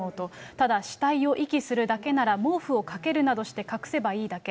ただ、死体を遺棄するだけなら毛布をかけるなどして隠せばいいだけ。